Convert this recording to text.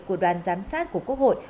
của đoàn giám sát của quốc hội